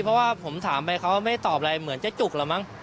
เพราะว่าผมถามไปเขาไม่ตอบอะไรเหมือนเจ๊จุกแล้วมั้ง